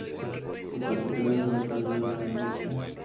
Su capital es la localidad de Gran Roque.